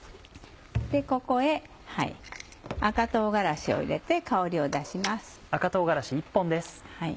ここへ赤唐辛子を入れて香りを出します。